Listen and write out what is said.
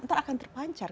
ntar akan terpancar